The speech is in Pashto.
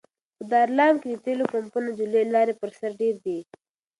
په دلارام کي د تېلو پمپونه د لويې لارې پر سر ډېر دي